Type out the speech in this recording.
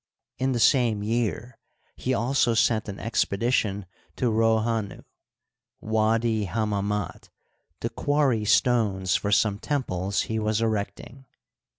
In the same year he also sent an expedition to Rohanu (Wddi Hammamat) to quarry stones for some temples he was erecting.